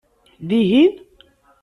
Dihin?